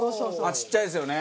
ちっちゃいですよね。